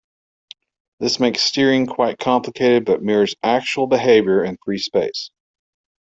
This makes steering quite complicated, but mirrors actual behavior in free space.